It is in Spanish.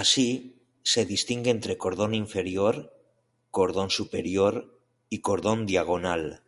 Así, se distingue entre cordón inferior, cordón superior y cordón diagonal.